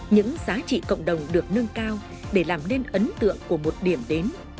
những giá trị cộng đồng được nâng cao để làm nên ấn tượng của một điểm đến